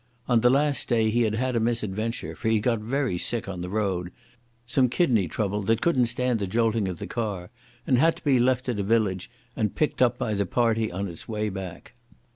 On the last day he had had a misadventure, for he got very sick on the road—some kidney trouble that couldn't stand the jolting of the car—and had to be left at a village and picked up by the party on its way back.